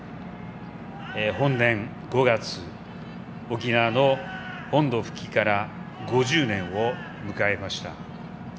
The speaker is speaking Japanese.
本年５月、沖縄の本土復帰から５０年を迎えました。